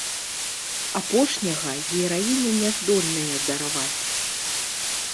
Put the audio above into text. Апошняга гераіня не здольная дараваць.